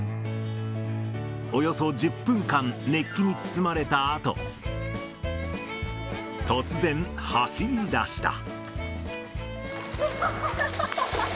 およそ１０分間、熱気に包まれたあと、突然、走りだした。